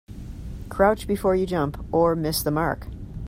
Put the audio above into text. Crouch before you jump or miss the mark.